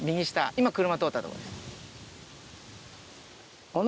今車通ったとこです。